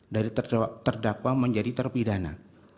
dari terdakwa menjadi terpidana